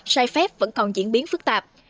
sai phép vẫn còn diễn biến phức tạp